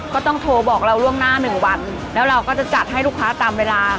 ก็ต้องโทรบอกเราล่วงหน้าหนึ่งวันแล้วเราก็จะจัดให้ลูกค้าตามเวลา